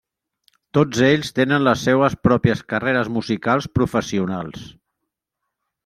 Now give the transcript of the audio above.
Tots ells tenen les seues pròpies carreres musicals professionals.